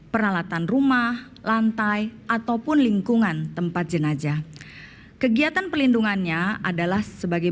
peralatan rumah lantai ataupun lingkungan tempat jenajah kegiatan pelindungannya adalah sebagai